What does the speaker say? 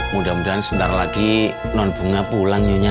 mudah mudahan sebentar lagi non bunga pulang nyonya